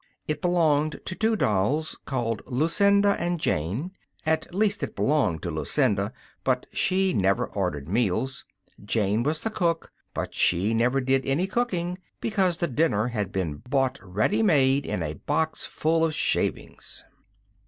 It belonged to two Dolls called Lucinda and Jane; at least it belonged to Lucinda, but she never ordered meals. Jane was the Cook; but she never did any cooking, because the dinner had been bought ready made, in a box full of shavings.